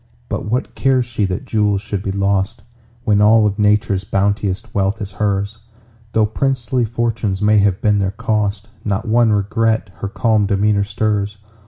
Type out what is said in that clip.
But what cares she that jewels should be lost, When all of Nature's bounteous wealth is hers? Though princely fortunes may have been their cost, Not one regret her calm demeanor stirs.